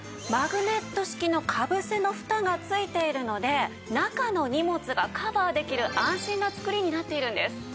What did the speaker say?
マグネット式のかぶせの蓋が付いているので中の荷物がカバーできる安心な作りになっているんです。